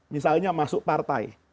misalnya masuk partai